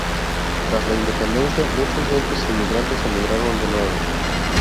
Tras la independencia, muchos de estos inmigrantes emigraron de nuevo.